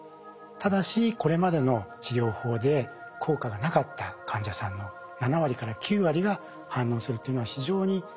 ただしこれまでの治療法で効果がなかった患者さんの７割から９割が反応するというのは非常に高い治療効果。